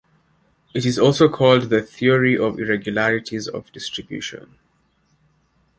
It is also called the "theory of irregularities of distribution".